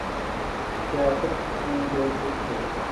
سیاست میں جو کچھ تھے۔